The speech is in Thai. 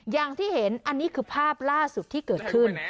อย่างที่เห็นอันนี้คือภาพล่าสุดที่เกิดขึ้น